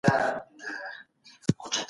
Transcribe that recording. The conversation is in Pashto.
استازي کله د پناه غوښتونکو حقونه پیژني؟